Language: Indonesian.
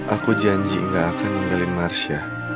aku janji gak akan ninggalin marsya